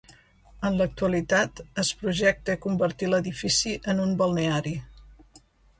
En l'actualitat es projecta convertir l'edifici en un balneari.